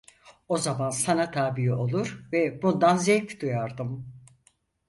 O zaman sana tabi olur ve bundan zevk duyardım.